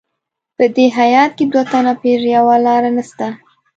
په دې هیات کې دوه تنه پر یوه لار نسته.